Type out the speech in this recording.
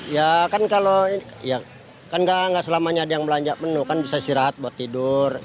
ya kan kalau ya kan nggak selamanya ada yang belanja penuh kan bisa istirahat buat tidur